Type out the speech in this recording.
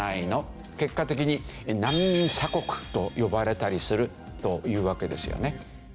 結果的に難民鎖国と呼ばれたりするというわけですよね。